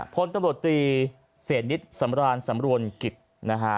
พลตำรวจตรีเสนิทสำรานสำรวนกิจนะฮะ